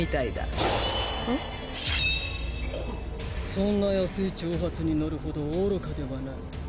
そんな安い挑発に乗るほど愚かではない。